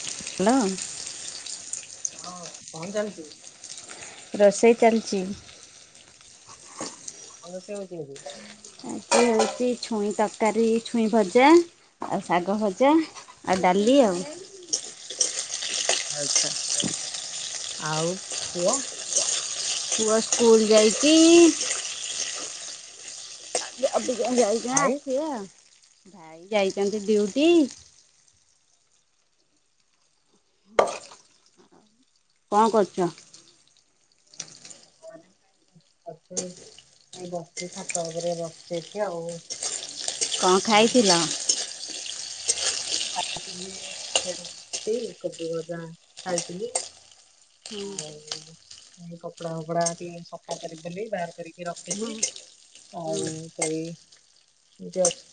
Hello ହଁ ଅଁ ରୋଷେଇ ଚାଲଚି ଭଲସେ ହଉଚି ବୋଧେ ଆଜି ହଉଚି ଛୁଇଁ ତରକାରୀ, ଛୁଇଁ ଭଜା ଆଉ ଶାଗ ଭଜା ଆଉ ଡାଲି ଆଉ ଆଛା, ଆଉ ପୁଅ ପୁଅ ସ୍କୁଲ ଯାଇଚି। ଅବିକା ଯାଇଚନି ଭାଇ? ଆସିବ ଆଉ, ଭାଇ ଯାଇଚନ୍ତି ଡ୍ୟୁଟି। କଣ କରୁଚ? [unintelligible] ଏତେ ଏଇ ବସିଚି ଛାତ ଉପରେ ବସିଚି ଏଠି ଆଉ। କଣ କିଛି ନାହିଁ ଖାଇଥିଲ? ଖାଇଥିଲି ରୁଟି, କୋବି ଭଜା ଖାଇଥିଲି। ଆଉ ଏଇ କପଡା ଫପଡା ଟିକେ ସଫା କରିବି ବୋଲି ବାହାର କରିକି ହଁ ରଖିଚି। ହଁ ଆଉ ସେଇ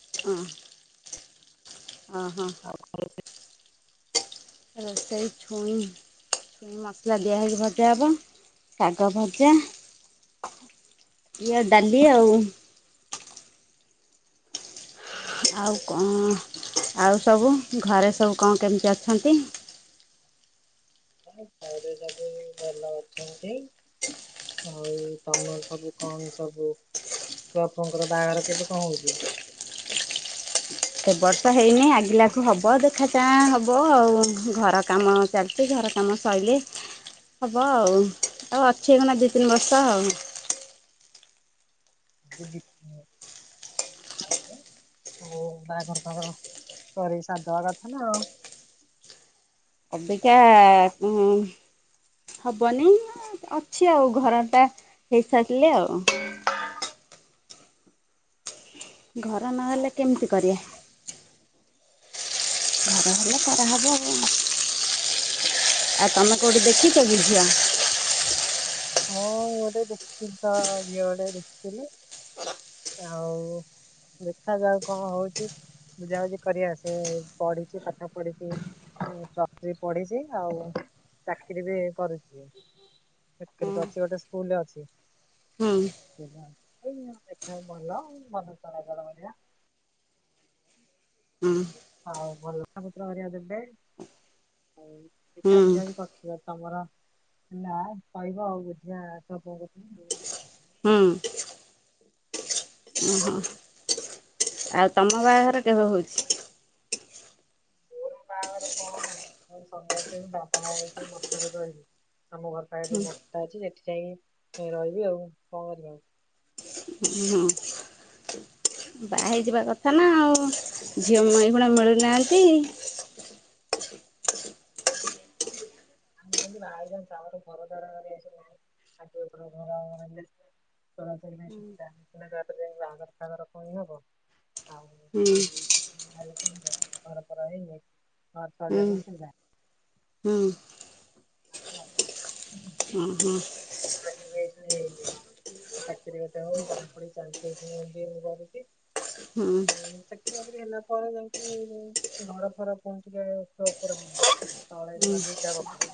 ହଁ ଅଁ ଅଁ ହ [unintelligible] ରୋଷେଇ ଛୁଇଁ ଛୁ ମସଲା ଦିଆହେଇକି ଭଜା ହେବ, ଶାଗ ଭଜା। ଇଏ ଡାଲି ଆଉ ଆଉ କଣ, ଆଉ ସବୁ, ଘରେ ସବୁ କଣ କେମତି ଅଛନ୍ତି? ଆମଘରେ ସବୁ ଭଲ ଅଛନ୍ତି। ଆଉ ତମର ସବୁ, କଣ ସବୁ ରଥବାବୁଙ୍କର ବାହାଘର କେବେ କଣ ହଉଛି? ଏତେ ବର୍ଷ ହେଇନି, ଆଗିଲାଖୁ ହେବ, ଦେଖାଚାହାଁ ହେବ ଆଉ ଘର କାମ - ଚାଲିଛି, ଘର କାମ ସଇଲେ ହବ ଆଉ, ଆଉ ଅଛିଏଇଖିନା ଦୁଇ ତିନି ବର୍ଷ ଆଉ। [unintelligible] ବାହାଘର ସାହାଘର କରିକି ସାରି ଦବା କଥା ନା ଆଉ। ଅବିକା ଉ - ହବନି, ଅଛି ଆଉ, ଘର ଟା ହେଇସାରିଲେ ଆଉ। ଘର ନହେଲେ କେମିତି କରିବା? ଘର ହେଲେ କରା ହବ ଆ, ଆଉ ତମେ କେଉଁଠି ଦେଖଛ କି ଝିଅ? ହଁ ମୁଁ ଗୋଟେ ଦେଖିଥିଲି ତ, ଝିଅ ଗୋଟେ ଦେଖିଥିଲି ଆଉ - ଦେଖା ଯାଉ କଣ ହଉଛି? ବୁଝାବୁଝି କରି ଆସେ ପଢୁଚି ପାଠ ପଢିଛି। ପ୍ଲସ ଥ୍ରୀ ପଢିଛି ଆଉ ଚାକିରି ବି କରୁଛି। ହୁଁ [unintelligible] ସ୍କୁଲରେ ଅଛି। ହୁଁ। [unintelligible] ହୁଁ। ହଉ ମଲକ୍ଷମୁତ ମଦବେ [unintelligible] ହଉ କି ହୁଁ କାର୍ଯ୍ୟ ଆଜି କରିିଥିଲ ତମର? ନା କହିବ ଆଉ ବୁଝିିବା ତ [unintelligible] ହୁଁ। ଓହୋ [inaudible] ଆଉ ତମ ବାହାଘର କେବେ ହଉଛି? ମୋର ବାହାଘରେ କଣ କାମ ସନ୍ୟାସୀ ହେବି କି ବାବା ହେଇକି ମଠ ରେ ରହିବି ଆମ ଘର ପାଣି ହୁଁ ଯୋଉ ମଟା ଅଛି ସେଠି ଯାଇକି ରହିବି ଆଉ କଣ କରିବି ଆଉ? ହୁଁ। ବା ହେଇଯିବା କଥା ନା ଆଉ ଝିଅ ଏଇଖୁଣା ମିଳୁନାହାନ୍ତି। ଆମୁ ଆଜ ସବର [unintelligible] ା ଆଧାର କାର୍ର ଇ ହବ [unintelligible] ହୁଁ ଆଉ ଘରଇ ଚିବାସ ହୁଁ [unintelligible] ହୁଁ। [unintelligible] ହଁ ହଁ। [unintelligible] ଚାକିରୀ ଗୋଟେ ହଉ ପଢାପଢି [unintelligible] ହଁ ହୁଁ ଚାକିରି ବାକିରି ହେଲା ପରେ ଯାଉକି ଘରଫର ପହଞ୍ଚିଲେ ଉପରେ ତଳେ ଜମା ଦିଟା ବଖରା।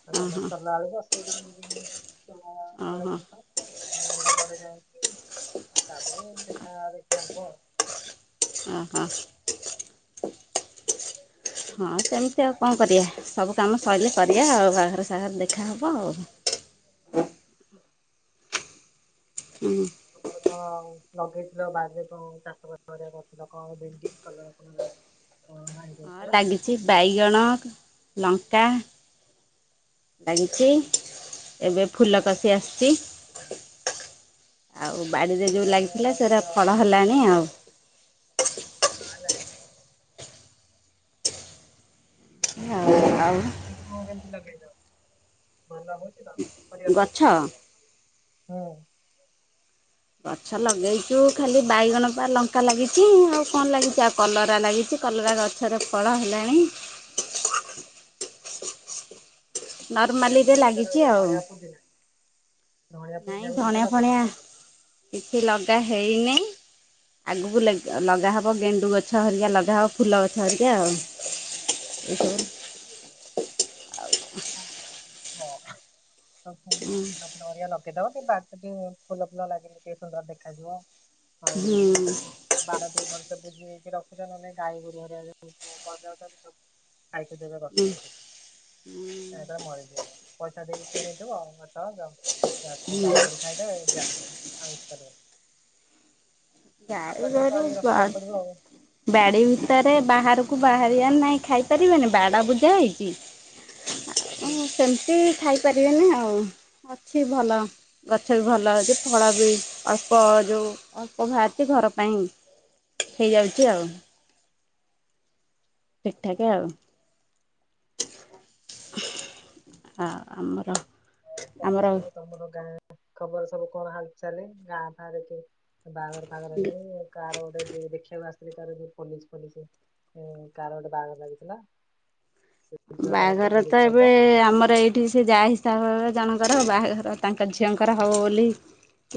[unintelligible] ଘର ହଁ ହଁ ହେଲା ପରେ ଯାଇଙ୍କି ତାପରେ ଦେଖା ଦେଖିବା କ- ଓ ହୋ। ସେମିତି ଆଉ କଣ କରିବା ସବୁ କାମ ସରିଲେ କରିବା ଆଉ ବାଘର ସାଘର ଦେଖାହେବ ଆଉ। ହୁଁ ଆମର କଣ ଲଗେଇଥିଲ ବାରିରେ କଣ ଚାଷ ବାସ କରିବା କରିଥିଲା କଣ ଭେଣ୍ଡି କଲରା ଫଲରା? ହଁ ଭାଇ। ହଁ କହୁଥିଲା ଲାଗିଛି ବାଇଗଣ ଲଙ୍କା। ଲାଗିଛି ଏବେ ଫୁଲ କଷି ଆସିଛି। ଆଉ ବାଡ଼ିରେ ଯୋଉଁ ଖାଇବା ପିଇବା ଲାଗିଥିଲା ସେଟା ଲଗେଇଥିଲ ନା ଫଳ କଣ? ହେଲାଣି ଆଉ। ହ ନା। ଆଉ ଆଉ କେତେ କି ମ ଲଗେଇନା ଭଲ ଲ ହଛି ନା [unintelligible] ଆ ଗଛ ହୁଁ। ଗଛ ଲଗେଇଛୁ ଖାଲି ବାଇଗଣ ପା ଲଙ୍କା ଲାଗିଛି ଆଉ କଣ ଲାଗିଛି ଆଉ କଲରା ଲାଗିଛି କଲରା ଗଛ ଫଳ ହେଲାଣି। ଧଣିଆ ନର୍ମାଲିରେ ପୁଣିଆ ଦା ଲାଗିଛି ଲଗେଇଦ ଆଉ ଧଣିଆ ପୁଦିନା ଧଣିଆ ନାଇଁ ପୁଦିନା ବି ଧଣିଆ ଦିଟା ଫଣିଆ ଲଗେଇଦବା ତାରେ। କିଛି ଲଗା ହେଇନି। ଆଗକୁ ଲଗାହେବ ଗେଣ୍ଡୁ ଗଛ ହରିକା ଲଗାହେବ ଫୁଲ ଗଛ ହେରିକା ଆଉ। ହୁଁ। [unintelligible] ନଡ଼ିଆ ଲକେଇଦବ ଟ ବାଟ ଟିକେ ଫୁଲ ଫୁଲ ଲାଗିନି ଟିକେ ସୁନ୍ଦର ଦେଖାଯିବ। ହଉ। ହୁଁ ହୁଁ ବାର ଟିକେ ପାଞ୍ଚ ପୋଜିଇକି ରଖୁଛାନେ ଗାଈ ଗୋରୁଆ ସବୁ ଆଇକ ଦେବେ କରଥା ଏଥରେ ମରିଯିବ ପଇସା ଦେଇକି କିଣିେଇଥିବ ଆ ଯ ତାକୁ ଗାଈ ହୁଁ କରି ଖାଇଦେବେ ଯା ଆଉ କରିହବନି। ଯାଇ ଯୋଗାଯୋଗ କରି କରିକି କୁଆ ରଖିବାକୁ ପଡିବ ଆଉ। ବାଡି ଭିତରେ ବାହାରକୁ ବାହାରିଆର ନାହିଁ ଖାଇ ପାରିବେନି ବାଡ ବୁଜା ହେଇଛିି। ସେମିତି ଖାଇପାରିବେନି ଆଉ। ଅଛି ଭଲ ଗଛ ବି ଭଲ ଅଛି, ଫଳ ବି ଅଳ୍ପ ଯୋଉ ଅଳ୍ପ ଭାର ଚି ଘର ପାଇଁ ହେଇଯାଉଛି ଆଉ। ଠିକଠାକ ଆଉ। ଆ ଆମର ଆଉ କଣ ଆମର ସବୁ ତମର ଗାଁ ଖବର ସବୁ କଣ ହାଲ ଚାଲେ ଗାଁ ଫାଁରେ କି? ବାହାଘର ଫାଘର ହେଲାଣି କାର ଗୋଟେ ଝିଅକୁ ଦେଖିବାକୁ ଆସିଥିଲେ ତାର ଯଉ ପୋଲିସ ଫୋଲିସ ହୁଁ କାର ଗୋଟେ ବାହାଘର ଲାଗିଥିଲା। ଝିଅଟାରକୁ ବାହାଘର ତ ପୋଲିସ ସହିତ ଏବେ ଆମର ଏଇଠି ସେ ଯା ତାପରେ ଜଣଙ୍କର ବାହାଘର ତାଙ୍କ ଝିଅଙ୍କର ହବ ବୋଲି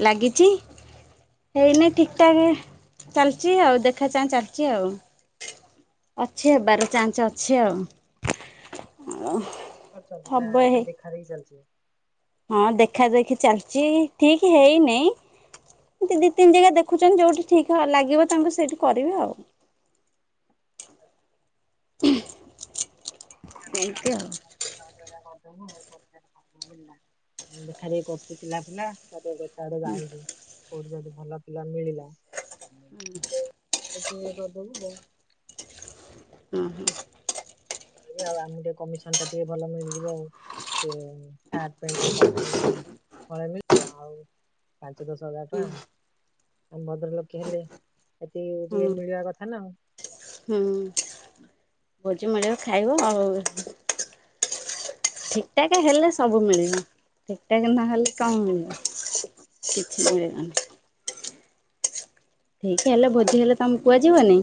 ଲାଗିଛି। ହେଇନି ଠିକଠାକ ଚାଲିଛି ଆଉ ଦେଖା ଚାହାଁ ଚାଲିଛି ଆଉ। ଅଛି ହେବାର ଚାନ୍ସ ଅଛି ଆଉ ମୁଁ [inaudible] ନାଁ ଖାଲି ଦେଖାଦେଖି ଚାଲଛି? ହଁ ଦେଖା ଦେଖି ଚାଲିଛି ଠିକ ହେଇନେଇଁ। ଏ ଦି ତିନି ଜାଗା ଦେଖୁଛନ୍ତି ଯୋଉଠି ଠିକ ଲାଗିବ ତାଙ୍କୁ ସେଇଠି କରିବେ ଆଉ। ହ ଏମତି ଆଉ। [unintelligible] ଦେଖଆଡେ ଯାଉଛି ହୁଁ କୋଉଠି ଯଦି ଭଲ ପିଲା ମିଳିଲା [inaudible] କରିଦବୁ ଆଉ। ହୁଁ ହୁଁ। ଆଉ ଆମକୁ ଟିକେ କମିଶନ ଟା ଟିକେ ଭଲ ମିଳିଯିବ ଆଉ। ସାର୍ଟ ପ୍ୟାଣ୍ଟ କପ ହଳେ ମିଳିଯିବ ଆଉ ପାଞ୍ଚ ଦଶ ହଜାର ହୁଁ ଟଙ୍କା ଆମ ଭଦ୍ର ଲୋକେ ହେଲେ ଏତିି ଟିକେ ହୁଁ ମିଳିବା କଥା ନାଉ। ହୁଁ ଭୋଜି ମଳିବ ଖାଇବ ଆଉ। ଠିକଠାକ ହେଲେ ସବୁ ମିଳିବ, ଠିକଠାକ ନହେଲେ କଣ ମିଳିବ? କିଛି ମିଳିବନି। ମୋ ଠିକି ହେଲେ ପୁଅ ବାହାଘର ଭୋଜି ହେଲେ ତମକୁ କୁହାଯିବ ନି।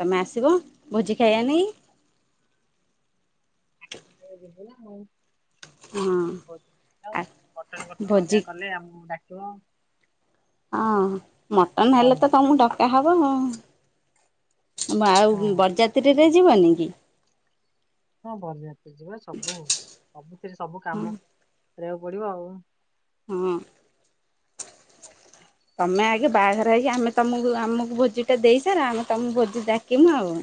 ତମେ ଆସିବ ଭୋଜି ଖାଇବା ନେଇ। ଏ ଯିବି ନା ମୁଁ? ହଁ। ଆଉ ଆ ପୋଟଳ ଫୋଟଳ ଅରିକା ଭୋଜି କଲେ ଆମକୁ ଡାକିବ? ହଁ ମଟନ ହେଲେ ତ କହିବ ତମକୁ ଡକା ହବ। ଆଉ ହଁ। ବରଯାତ୍ରୀରେ ଯିବନି କି? ହଁ ବରଯାତ୍ରୀ ଯିବା ସବୁ ସବୁଥିରେ ସବୁ ହଁ କାମ କରିବାକୁ ପଡିବ ଆଉ। ହଁ। ତମେ ଆଗେ ବାହାଘର ହେଇକି ଆମେ ତମକୁ ଆମକୁ ଭୋଜି ଟା ଦେଇ ସାର ଆମେ ତମକୁ ଭୋଜି ଡାକିମୁ ଆଉ।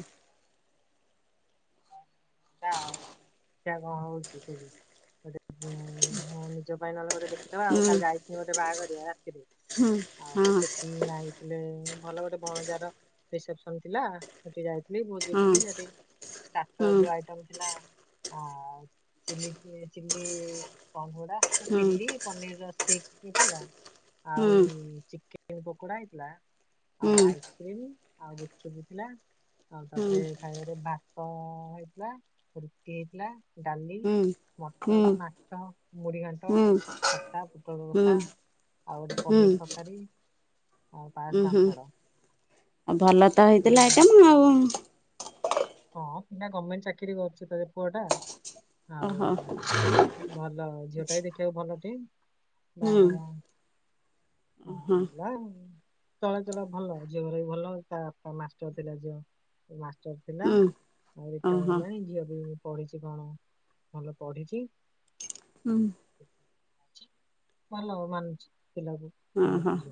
ଆଉ ଦେଖିଆ କଣ ହଉଛି କେବେ ମୁଁ ନିଜ ପାଇଁ ନହେଲେ ଗୋଟେ ଦେଖିଦବା ଆଉ ହୁଁ କାଲି ଯାଇଥିଲି ଗୋଟେ ବାହାଘରିଆ ରାତିରେ ହୁଁ ଆଉ ହଁ ଆଇଥିଲେ ଭଲ ଗୋଟେ ଭଣଜାର ରିସେପସନ ଥିଲା। ସେଠି ଯାଇଥିଲି ଭୋଜି ହଁ ଭୋଜି ସେଠି ଷ୍ଟାଟସ୍ ହୁଁ ଆଇଟମ୍ ଥିଲା ଆ ଚିଲି ଚିଲି, [unintelligible] ହୁଁ ଚିଲି ପନିର ର ଷ୍ଟିକ ଥିଲା। ହୁଁ ଆଉ ଚିକେନ ପକୋଡା ହେଇଥିଲା, ଆଉ ହୁଁ ଆଇସ୍ ଆଉ ଗୁପୁଚୁପୁ ହେଇଥିଲା ଆଉ ହୁଁ ତାପରେ ଖାଇବାରେ ଭାତ ହେଇଥିଲା। ରୁଟି ହେଇଥିଲା, ଡାଲି, ହୁଁ ହୁଁ। ମଟନ, ମାଛ ମୁଢ଼ି ଘାଣ୍ଟ ହୁଁ ଖଟା, ହୁଁ ପୁଟଳକଷା, ଆଉ ଗୋଟେ ପନିର ତରକାରୀ। ଆଉ ପାସ ଉ ହୁଁ ପାମ୍ପଡ ଆଉ ଭଲ ତ ଉଁ, ହେଇଥିଲା ଆଇଟମ୍ ଆଉ। ହଁ ପିଲା ଗଭର୍ଣ୍ଣମେଣ୍ଟ ଚାକିରି କରୁଚି ତ ପୁଅ ଟା। ଆଉ ଓହୋ ଭଲ ଝିଅ ଟେ ଦେଖିବାକୁ ଭଲ ଟେ। ହୁଁ ବାହଘର ହଁ ହେଲା। ଚଳେ ଚଳେ ଭଲ ଝିଅର ବି ଭଲ ତା ବାପ ମାଷ୍ଟର ଥିଲା ଝିଅ ମାଷ୍ଟର। ଥିଲା ହୁଁ ଆଉ ଏଇଟା ଓହୋ ହେଲାଣି ଝିଅ ବି ମୁ ପଢିଛି କଣ ଭଲ ପଢିଛି। ହୁଁ। ଭଲ ମାନୁଛି ପିଲାକୁ। ଓ ହୋ ମାନୁଛି ସେ।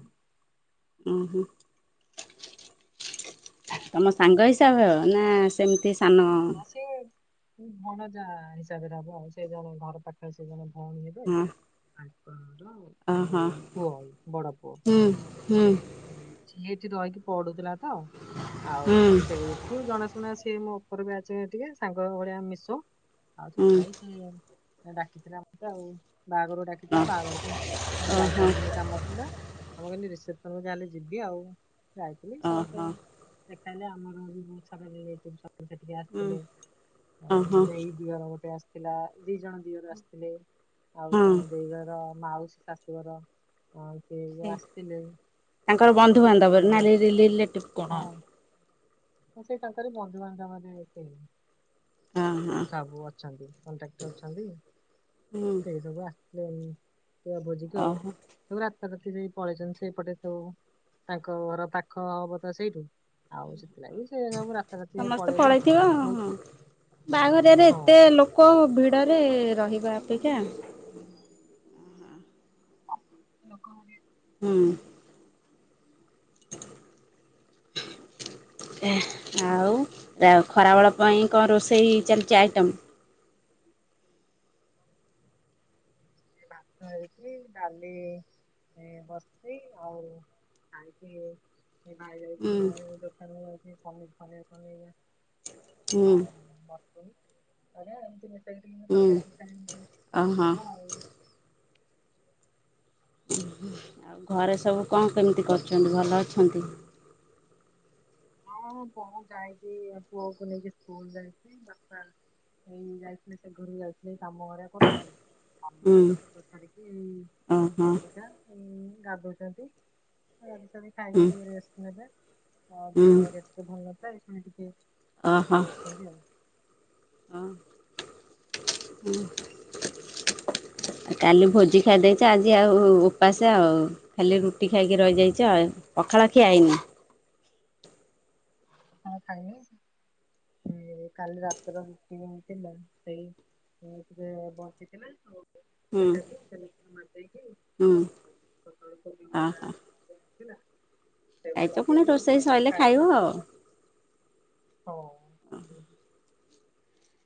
ଉ ହୁଁ। ତମ ସାଙ୍ଗ ହିସାବ ହେବ ନା ସେମିତି ସାନ? ଆ ସେ ଭଲ ଯା ହିସାବରେ ହବ ଆଉ ସେ ଜଣେ ଘର ପା ସେ ଜଣେ ଭଉଣୀ ହେବେ ହଁ ତାଙ୍କର ଓହୋ ଯୋଉ ପୁଅ ବଡ ପୁଅ। ହୁଁ ହୁଁ। ଚିଏଠି ରହିକି ପଡୁଥିଲା ତ ଆଉ ହୁଁ ସେଇ ଜଣାଶୁଣା ସିଏ ମୋ ଉପର ବ୍ୟାଚ୍ ଟିକେ ସାଙ୍ଗ ଭଳିଆ ମିଶୁ। ଆଉ ହୁଁ ସେଥିଲାଗୀ ସେଏ ଡାକିଥିଲା ମତେ ଆଉ ବାହାଘରୁ ଡାକ ଓ ଥିଲା ବାହାଘରକୁ ମୁଁ ଓହୋ ଯାଇପାରିଲିନି କାମ ଥିଲା ବାପା କହିଲେ ରିସେ ଯାହାହେଲେ ଯିବି ଆଉ ଯାଇଥିଲି ସମସ୍ତେ ଓହୋ ଦେଖାହେଲେ ଆମର ବି ସବୁ ରିଲେଟିଭ୍ ସବୁ ସେଠିକି ହୁଁ ଆସିଥିଲେ ଓହୋ ଦେଇ ଦିଅର ଗୋଟେ ଆସିଥିଲା ଦି ଜଣ ଦିଅର ଆସିଥିଲେ ଆଉ ହଁ ତାଙ୍କ ଦି ଘର। ମାଉସୀ ଶାଶୁଘର ସିଏ ସେ ବି ଆସିଥିଲେ। ତାଙ୍କର କେତେ ବନ୍ଧୁବାନ୍ଧବ ଆଡୁ ନା ରି ଆସି- ରିଲେଟିଭ୍ କଣ? ହଁ ସେଇ ତାଙ୍କରି ବନ୍ଧୁବାନ୍ଧବ ହେବେ କେଇ। ହଁ ହଁ ସବୁ ଅଛନ୍ତି କଣ୍ଟାକ୍ଟ ଅଛନ୍ତି ହୁଁ ସେଇ ସବୁ ଆ ଭୋଜିିକୁ ଆଉ। ଓହୋ ସବୁ ରାତାରାତି ଯାଇ ପଳେଇଛନ୍ତି ସେପଟେ ସବୁ ତାଙ୍କ ଘର ପାଖ ହବ ତ ସେଇଠୁ। ଆଉ ସେ ସେଥିଲାଗି ସବୁ ରାତାରାତି ସବୁ ସମସ୍ତେ ପଳେଇଲେ ପଳେଇଥିବ ମୁଁ ହଁ ବାହାଘରିଆରେ ହଁ ଏତେ ଲୋ ଲୋକ ଭିଡରେ ରହିବା ଅପେକ୍ଷା ଲୋକମାନେ ହୁଁ। ଆଉ ଖରାବେଳ ପାଇଁ କଣ ରୋଷେଇ ଚାଲିଛି ଆଇଟମ୍? ଭାତ ହେଇଚି ଡାଲି ବସିଚି ଆଉ ଖାଇକି ଏଇ ଭାଇ ଯାଉଛି ହୁଁ ଆ ଦୋକାନ ଯାଉଛି ପନିର ଫନିର। ହୁଁ ହୁଁ [unintelligible] [inaudible] ଓହୋ ହବ ଆଉ। ଆଉ ଘରେ ସବୁ କଣ କେମିତି କରୁଛନ୍ତି ଭଲ ଅଛନ୍ତି? ହଁଁ ବଉ ଯାଇଛି ପୁଅକୁ ନେଇକି ସ୍କୁଲ ଯାଇଛି ବାପା ଏଇ ଯାଇଥିଲେ ସେ ଘରୁ ଯାଇଥିଲେ କାମ କରିବା କରୁଥିଲେ। ଆମ ହୁଁ ତ ସବୁ ସାରିକି ଏଇ ଓହୋ ଝିଅ ପିଛା ହେଇ ଇ ଗାଧଉଛନ୍ତି। ସଦ ହୁଁ ଖାଇକି ଟିକେ ରେଷ୍ଟ ନେବେ ଆ ହୁଁ ଦେହ ଏତେ ଭଲ ନଥାଏ ଏ ଟିକେ ଓ ହଁ। ଠିକଠାକ ଅଛନ୍ତି [inaudible] [inaudible] [inaudible] ଆ କାଲି ଭୋଜି ଖାଇଦେଇଛି ଆଜି ଆଉ ଉପାସେ ଆଉ। ଖାଲି ରୁଟି ଖାଇକି ରହିଯାଇଛି ଆ ପଖାଳ ଖିଆ ହେଇନି। କଣ ଖାଇନୀ କାଲି ରାତିର ରୁଟିଥିଲ ସେଇ ସେଇଥିରେ ବଞ୍ଚିଚି ନା ଆଉ ହୁଁ ସେଇଟାକୁ ସେମିତି ମାରଦେଇକି ହୁଁ ସକାଳୁ ଫୁଲିବାଟା ଓହୋ ଖାଇଛ ପୁଣି ରୋଷେଇ ସରିଲେ ଖାଇବ [unintelligible] ଆଉ ହଉ।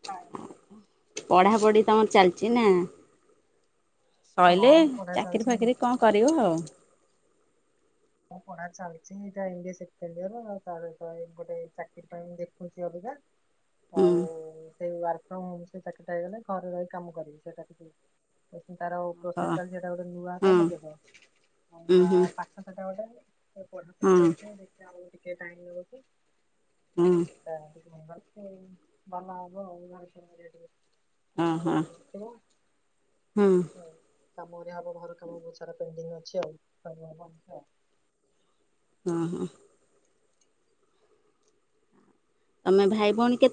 ହାଏ। ପଢାପଢି ତମର ଚାଲିଛି ନା। ହଁ ସଇଲେ ପଢା ଚାକିରି ଚାଲିଛି ଫାକିରି କଣ କରିବ ଆଉ। ମୁଁ ପଢ଼ା ଚାଲିଛି ଏଇଟା M B A second year ତାପରେ ଗୋଟେ ଚାକିରୀ ପାଇଁ ମୁଁ ଦେଖୁଛି ଅବିକା। ହୁଁ ଆଉ ସେଇ ୱାର୍କ ଫ୍ରମ ହୋମ ସେଇ ଚାକିରିଟା ହେଇଗଲେ ଘରେ ରହି କାମ କରିବି ସେଟା ସେ ତାର ହଁ ପ୍ରୋସେସ ଚାଲିଚି ସେଟା ଗୋଟେ ନୂଆ ହଁ କାମଟେ ତ ଉଁ ନୂଆ ହୁଁ ପାଠ ସେଟା ଗୋଟେ ପଢ଼ାପଢ଼ି ହଁ କରିକି ଦେଖିବା ଆଉ ଟିକେ ଟାଇମ୍ ଲାଗୁଛି ହଁ ଆଉ। [unintelligible] ସେ ଭଲ ହବ ଆଉ। ହଁ [unintelligible] ହଁ କାମରେ ହବ ଘର କାମ ବହୁତ ସାରା ପେଣ୍ଡିଙ୍ଗ ଅଛି ଆଉ। [unintelligible] ହଁ ହଁ। ତମେ ଭାଇ ଭଉଣୀ କେତେ